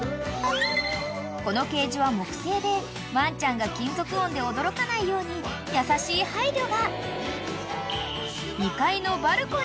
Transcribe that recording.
［このケージは木製でワンちゃんが金属音で驚かないように優しい配慮が］